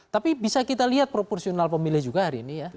tapi bisa kita lihat proporsional pemilih juga hari ini ya